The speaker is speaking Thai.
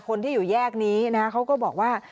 คนที่อยู่แยกนี้นะเขาก็บอกว่า